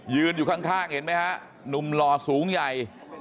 อยู่ข้างเห็นไหมฮะหนุ่มหล่อสูงใหญ่